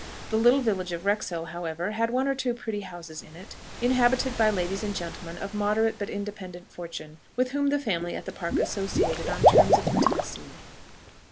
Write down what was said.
The little village of Wrexhill, however, had one or two pretty houses in it, inhabited by ladies and gentlemen of moderate but independent fortune, with whom the family at the Park associated on terms of intimacy.